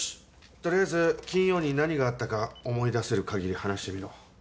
取りあえず金曜に何があったか思い出せる限り話してみろ。